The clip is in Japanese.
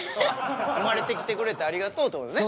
生まれてきてくれてありがとうというね。